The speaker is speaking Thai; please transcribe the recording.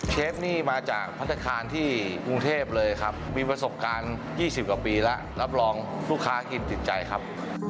เชฟนี่มาจากพัฒนาคารที่กรุงเทพเลยครับมีประสบการณ์๒๐กว่าปีแล้วรับรองลูกค้ากินติดใจครับ